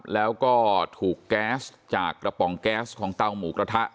แล้วก็ถูกแก๊สจากกระป๋องแก๊สของเตาหมูกระทะ